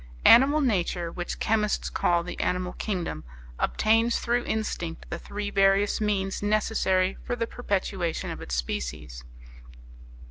Animal nature, which chemists call the animal kingdom, obtains through instinct the three various means necessary for the perpetuation of its species.